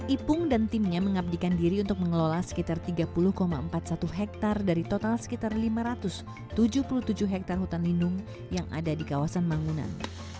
ipung dan timnya mengabdikan diri untuk mengelola sekitar tiga puluh empat puluh satu hektare dari total sekitar lima ratus tujuh puluh tujuh hektare hutan lindung yang ada di kawasan mangunan